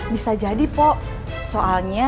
bisa jadi pok soalnya